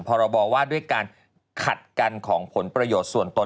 พรบว่าด้วยการขัดกันของผลประโยชน์ส่วนตน